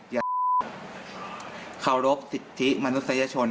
อย่าเคารพสิทธิมนุษยชน